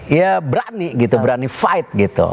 ya berani gitu berani fight gitu